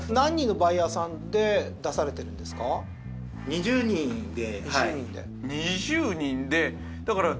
２０人で。